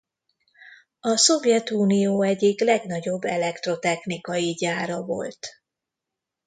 A Szovjetunió egyik legnagyobb elektrotechnikai gyára volt.